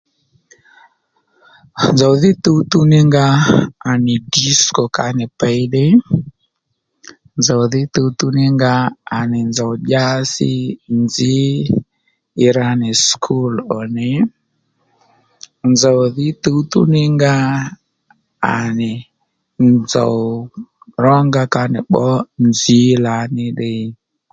Nzòw dhí tǔwtǔw ní nga à nì disco ka nì bbǐ ddiy nzòw dhí tǔwtǔw ní nga à nì nzòw dyási nzǐ ì rà nì skul ò nì nzòw dhí tǔwtǔw ní nga à nì nzòw rónga kà nì bbǒ nzǐ lǎní ddiy